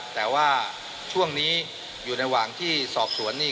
แต่ว่าช่วงนี้อยู่ระหว่างที่สอบสวนนี่